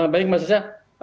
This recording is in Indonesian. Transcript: baik mbak sasa